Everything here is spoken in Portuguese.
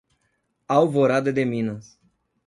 Alvorada de Minas